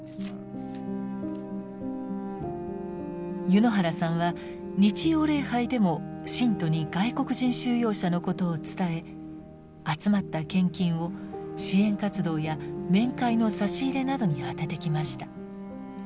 柚之原さんは日曜礼拝でも信徒に外国人収容者のことを伝え集まった献金を支援活動や面会の差し入れなどに充ててきました。